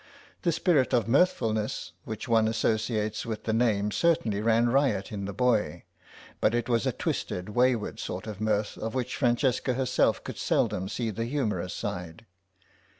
The spirit of mirthfulness which one associates with the name certainly ran riot in the boy, but it was a twisted wayward sort of mirth of which Francesca herself could seldom see the humorous side.